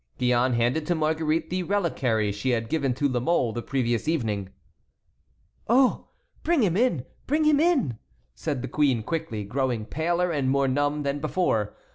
Gillonne handed to Marguerite the reliquary she had given to La Mole the previous evening. "Oh! bring him in, bring him in!" said the queen quickly, growing paler and more numb than before.